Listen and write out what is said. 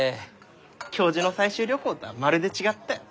教授の採集旅行とはまるで違ったよ。